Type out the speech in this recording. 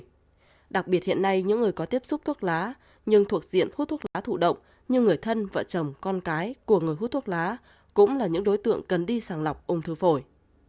đặc biệt hiện nay những người có tiếp xúc thuốc lá nhưng thuộc diện hút thuốc lá thụ động như người thân vợ chồng con cái của người hút thuốc lá cũng là những đối tượng cần đi sàng lọc ung thư phổi